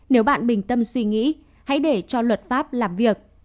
nếu bạn bình tâm suy nghĩ hãy để cho luật pháp làm việc